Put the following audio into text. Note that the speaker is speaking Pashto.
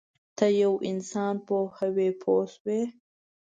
ته یو انسان پوهوې پوه شوې!.